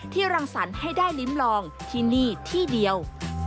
รังสรรค์ให้ได้ลิ้มลองที่นี่ที่เดียว